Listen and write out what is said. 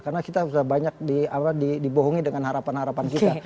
karena kita sudah banyak dibohongi dengan harapan harapan kita